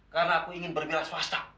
karena aku ingin berbila swasta